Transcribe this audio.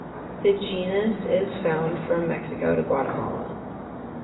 The genus is found from Mexico to Guatemala.